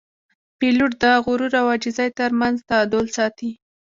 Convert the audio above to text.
پیلوټ د غرور او عاجزۍ ترمنځ تعادل ساتي.